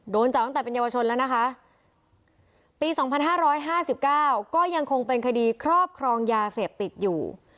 โดนจับตั้งแต่เป็นเยาวชนแล้วนะคะปี๒๕๕๙ก็ยังคงเป็นคดีครอบครองยาเสพติดอยู่